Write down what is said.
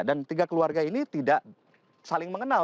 dan tiga keluarga ini tidak saling mengenal